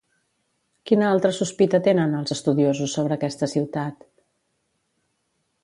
Quina altra sospita tenen, els estudiosos, sobre aquesta ciutat?